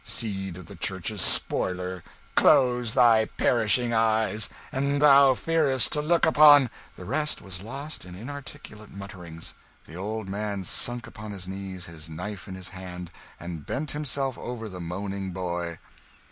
Seed of the Church's spoiler, close thy perishing eyes, an' thou fearest to look upon " The rest was lost in inarticulate mutterings. The old man sank upon his knees, his knife in his hand, and bent himself over the moaning boy.